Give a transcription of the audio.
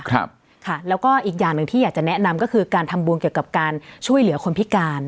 ครับค่ะแล้วก็อีกอย่างหนึ่งที่อยากจะแนะนำก็คือการทำบุญเกี่ยวกับการช่วยเหลือคนพิการ